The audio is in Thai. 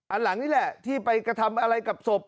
อันหลังนี่แหละที่ไปกระทำอะไรกับศพ